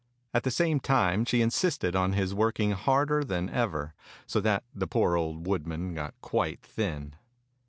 At the same time she insisted on his working harder than ever, so that the poor old woodman got quite thin.